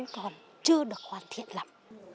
còn chưa được hoàn thiện lắm